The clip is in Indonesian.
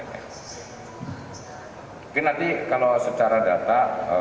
mungkin nanti kalau secara data